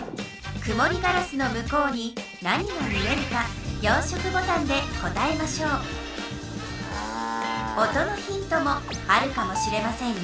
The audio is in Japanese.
くもりガラスの向こうに何が見えるか４色ボタンで答えましょう音のヒントもあるかもしれませんよ。